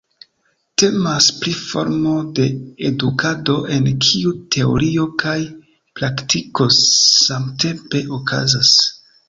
Temas pri formo de edukado en kiu teorio kaj praktiko samtempe okazas.